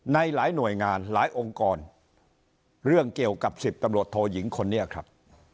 ในหลายหน่วยงานหลายองค์กรเรื่องเกี่ยวกับ๑๐ตำรวจโทยิงคนนี้ครับ